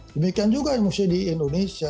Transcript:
demikian juga yang mesti di indonesia